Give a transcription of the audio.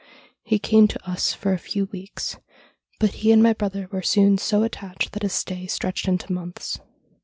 He came to us for a few weeks, but he and my brother were soon so attached that his stay stretched into months.